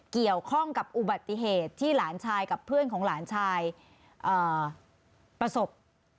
เกี่ยวข้องกับอุบัติเหตุที่หลานชายกับเพื่อนของหลานชายประสบ